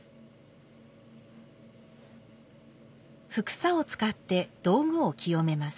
帛紗を使って道具を清めます。